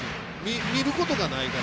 見ることがないから。